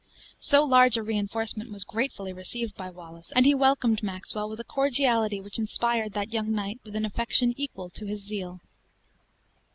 So large a reinforcement was gratefully received by Wallace; and he welcomed Maxwell with a cordiality which inspired that young knight with an affection equal to his zeal.